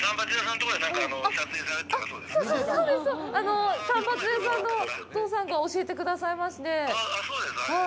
あの散髪屋さんのお父さんが教えてくださいまして。